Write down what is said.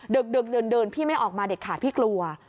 ดึกเดินพี่ไม่ออกมาเด็ดขาดพี่กลัว